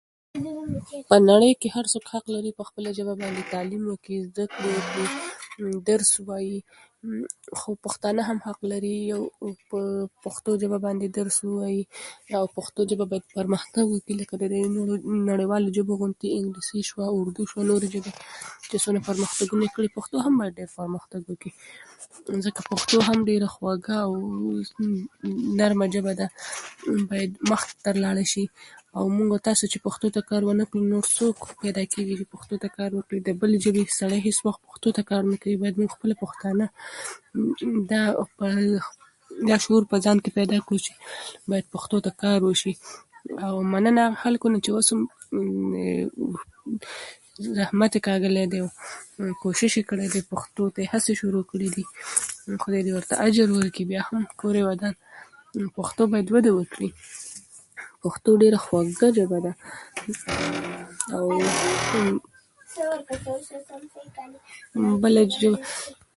نړۍ کې هر څوک حق لري چې په خپله ژبه باندې تعلیم وکړي، زده کړې وکړي، درس ووايي، خو پښتانه هم حق لري په پښتو ژبه باندې درس ووايي، یا پښتو ژبه باید پرمختګ وکړي، لکه د نړیوالو ژبو غوندې. انګلیسي شوه، اردو شوه، نورې ژبې چې څومره پرمختګ وکړي، پښتو هم باید ډېر پرمختګ وکړي، ځکه پښتو هم ډېره خوږه نرمه ژبه ده، باید مخته لاړه شي. او موږ او تاسې چې پښتو ته کار ونه کړو، نور څوک پیدا کېږي چې پښتو ته کار وکړي؟ که بلې ژبې سړی هېڅ وخت پښتو ته کار نه کوي. باید موږ خپله پښتانه دا په شعور په ځان کې پیدا کړو چې باید پښتو ته کار وشي. او مننه خلکو نه چې اوس هم زحمت یې کاږلی دی او کوشش یې کړی دی، پښتو هڅې یې شروع کړي دي. خدای دې ورته اجر ورکړي، بیا هم کور یې ودان. پښتو باید وده وکړي، پښتو ډېره خوږه ژبه ده، او بله ژبه